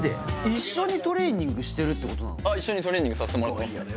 一緒にトレーニングしてるってことなの一緒にトレーニングさせてもらってます